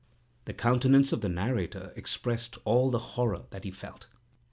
The countenance of the narrator expressed all the horror that he felt.